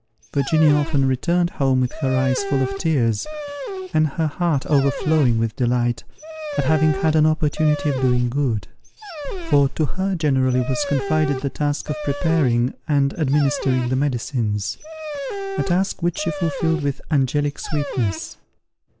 Virginia often returned home with her eyes full of tears, and her heart overflowing with delight, at having had an opportunity of doing good; for to her generally was confided the task of preparing and administering the medicines, a task which she fulfilled with angelic sweetness.